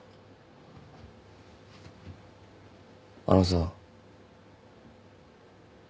あのさ。